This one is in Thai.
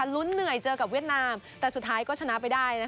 ลุ้นเหนื่อยเจอกับเวียดนามแต่สุดท้ายก็ชนะไปได้